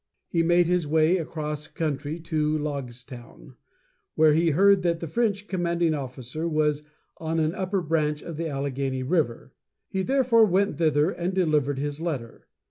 He made his way across country to Logstown, where he heard that the French commanding officer was on an upper branch of the Allegheny River. He therefore went thither, and delivered his letter.